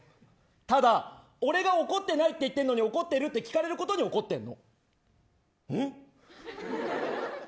ただ、俺が怒ってないって言ってるのに怒ってるって言って聞かれることに怒ってる。